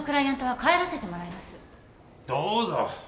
どうぞ。